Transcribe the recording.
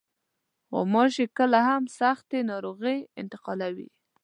غوماشې کله هم سختې ناروغۍ انتقالوي.